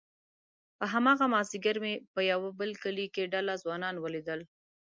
په هماغه مازيګر مې په يوه بل کلي کې ډله ځوانان وليدل،